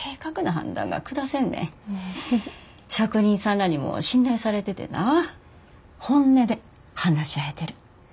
職人さんらにも信頼されててな本音で話し合えてる。